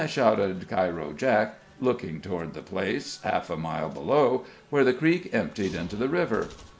shouted Cairo Jake, looking toward the place, half a mile below, where the creek emptied into the river.